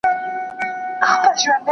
هوډ که په زهرو پالل کیږي تې خواږه وبوله